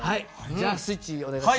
じゃあスイッチお願いしましょうか。